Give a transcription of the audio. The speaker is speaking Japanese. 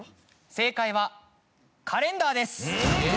正解は「カレンダー」です。